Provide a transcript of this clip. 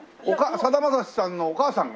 さだまさしさんのお母さんが？